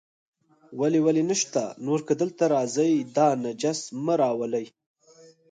ولې ولې نشته، نور که دلته راځئ، دا نجس مه راولئ.